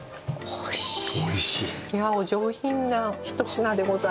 おいしい！